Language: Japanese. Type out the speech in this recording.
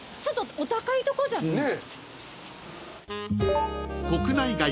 ちょっとお高いとこじゃない？